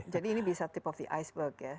jadi ini bisa tip of the iceberg ya